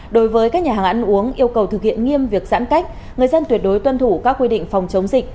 đối với các nhà hàng ăn uống yêu cầu thực hiện nghiêm việc giãn cách người dân tuyệt đối tuân thủ các quy định phòng chống dịch